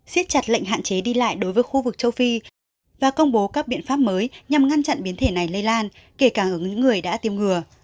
xiết chặt lệnh hạn chế đi lại đối với khu vực châu phi và công bố các biện pháp mới nhằm ngăn chặn biến thể này lây lan kể cả ở những người đã tiêm ngừa